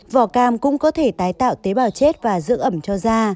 vỏ cam cũng có thể tái tạo tế bào chết và giữ ẩm cho da